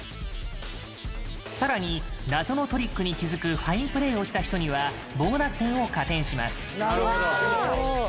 更に謎のトリックに気付くファインプレーをした人にはボーナス点を加点します。